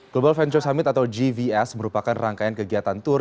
global venture summit atau gvs merupakan rangkaian kegiatan tour